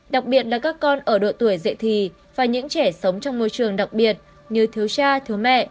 đặc biệt là các con ở độ tuổi dậy thì và những trẻ sống trong môi trường đặc biệt như thiếu cha thứ mẹ